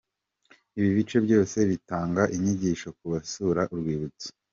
Ibi bice byose bitanga inyigisho kubasura urwibutso.